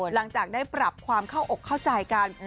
หลังจากได้ปรับความเข้าอกเข้าใจกัน